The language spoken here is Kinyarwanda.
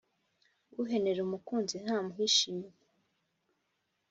Uhenera umukunzi ntamuhisha innyo.